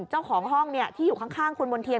เจ้าของห้องที่อยู่ข้างคุณมณ์เทียน